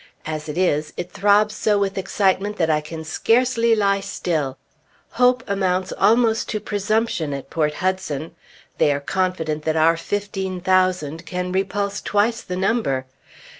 As it is, it throbs so with excitement that I can scarcely lie still. Hope amounts almost to presumption at Port Hudson. They are confident that our fifteen thousand can repulse twice the number.